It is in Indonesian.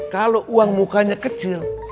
kalau uang mukanya kecil